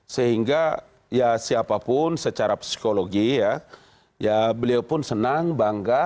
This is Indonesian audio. sehingga siapapun secara psikologi beliau pun senang bangga